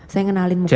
saya kenalin mukanya